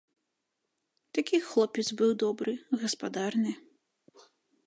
Такі хлопец быў добры, гаспадарны.